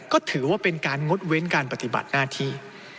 ก็ถือว่าเป็นการงดเว้นการปฏิบัติหน้าที่